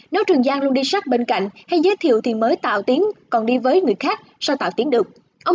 nếu trường giang luôn đi sát bên cạnh hay giới thiệu thì mới tạo tiếng còn đi với người khác sau tạo tiếng được